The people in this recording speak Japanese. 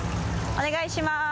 お願いします